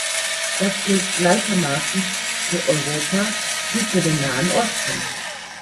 Das gilt gleichermaßen für Europa wie für den Nahen Osten.